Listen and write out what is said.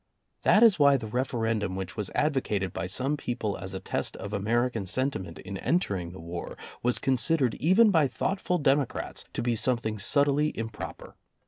That is why the referendum which was ad vocated by some people as a test of American senti ment in entering the war was considered even by thoughtful democrats to be something subtly im proper.